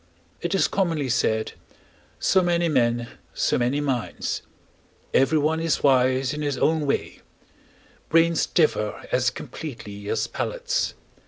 It is commonly said: "So many men, so many minds; everyone is wise in his own way; brains differ as completely as palates."